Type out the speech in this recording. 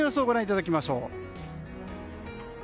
ご覧いただきましょう。